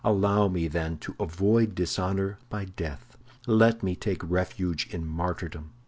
Allow me, then, to avoid dishonor by death; let me take refuge in martyrdom.